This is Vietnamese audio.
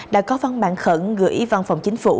đã có văn bản khẩn gửi văn phòng chính phủ